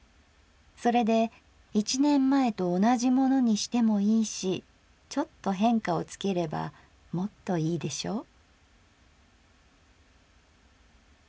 それで一年前と同じものにしてもいいしちょっと変化をつければもっといいでしょ」。